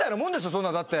そんなんだって。